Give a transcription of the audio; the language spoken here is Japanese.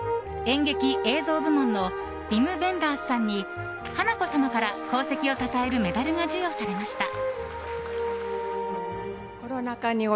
演劇・映像部門のヴィム・ヴェンダースさんに華子さまから功績をたたえるメダルが授与されました。